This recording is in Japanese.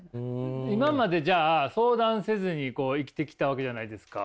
今までじゃあ相談せずに生きてきたわけじゃないですか。